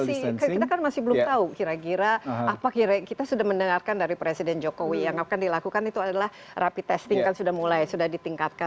masih kita kan masih belum tahu kira kira apa kira kira kita sudah mendengarkan dari presiden jokowi yang akan dilakukan itu adalah rapid testing kan sudah mulai sudah ditingkatkan